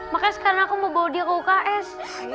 makanya sekarang aku mau bawa dia ke uks